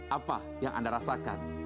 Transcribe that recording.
apa yang anda rasakan